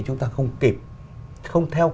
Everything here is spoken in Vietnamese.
chúng ta không kịp không theo